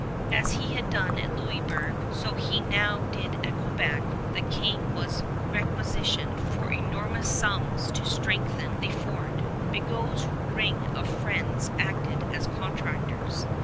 As he had done at Louisburg, so he now did at Quebec. The King was requisitioned for enormous sums to strengthen the fort. Bigot's ring of friends acted as contractors.